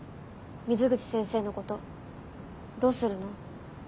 水口先生のことどうするの？